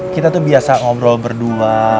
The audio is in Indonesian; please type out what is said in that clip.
kita tuh biasa ngobrol berdua